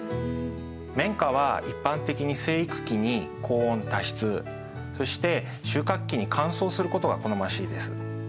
綿花は一般的に生育期に高温多湿そして収穫期に乾燥することが好ましいです。